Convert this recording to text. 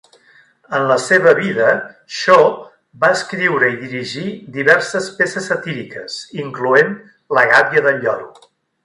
En la seva vida, Shaw va escriure i dirigir diverses peces satíriques, incloent "La gàbia del lloro".